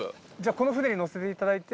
この船に乗せていただいて。